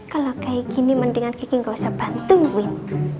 kalo kayak gini mendingan kikik gak usah bantuin